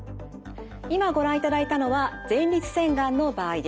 今ご覧いただいたのは前立腺がんの場合です。